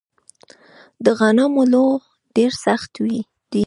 د غنمو لوو ډیر سخت دی